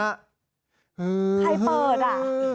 ใครเปิดอ่ะ